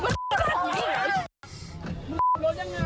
มันเกิดเหตุเป็นเหตุที่บ้านกลัว